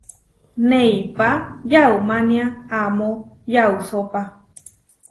Neipá yaumánia amó yausópa.